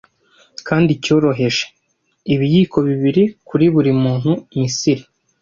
Kandi icyoroheje - ibiyiko bibiri kuri buri muntu Misiri